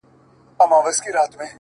انسان حیوان دی، حیوان انسان دی،